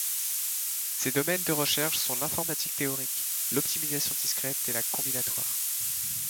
Ses domaines de recherche sont l'informatique théorique, l'optimisation discrète et la combinatoire.